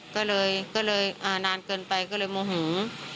ก็เลยนานเกินไปก็เลยโมโห